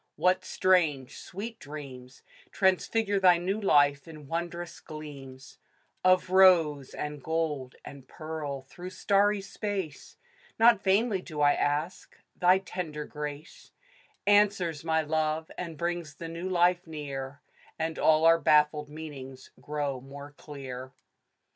What strange, sweet dreams Transfigure thy new life, in wondrous gleams Of rose, and gold, and pearl, through starry space ? Not vainly do I ask. Thy tender grace Answers my love, and brings the new life near ; And all our baffled meanings grow more clear.